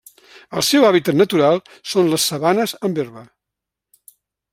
El seu hàbitat natural són les sabanes amb herba.